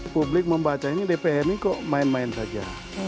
publik membacanya dpr ini kok main main saja